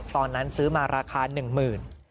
ตอนนั้นซื้อมาราคา๑๐๐๐บาท